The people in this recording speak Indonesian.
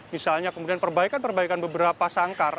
misalnya kemudian perbaikan perbaikan beberapa sangkar